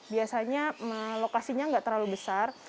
biasanya lokasinya nggak terlalu besar